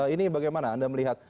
ini bagaimana anda melihat